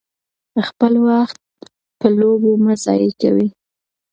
خپل وخت په لوبو مه ضایع کوئ.